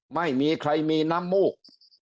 ไม่มีใครมีน้ำมูก